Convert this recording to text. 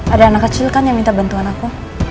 ada anak kecil kan yang minta bantuan aku